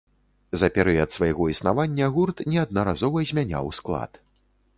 За перыяд свайго існавання гурт неаднаразова змяняў склад.